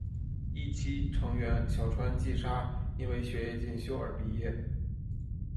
一期成员小川纱季因为学业进修而毕业。